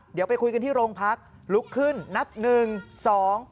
เดี๋ยวไปคุยกันที่โรงพักลุกขึ้นนับหนึ่งสอง